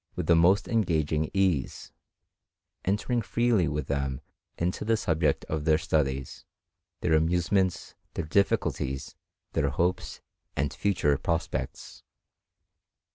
309 with the most engaging ease, entering freely with them into the subject of their studies, their amusements, their difficulties, their hopes and future prospects.